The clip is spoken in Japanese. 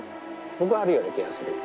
僕はあるような気がする。